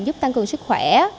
giúp tăng cường sức khỏe